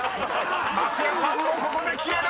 松也さんもここで消える！］